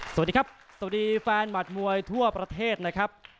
สวัสดีครับสวัสดีแฟนหมัดมวยทั่วประเทศนะครับ